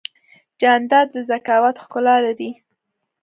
جانداد د ذکاوت ښکلا لري.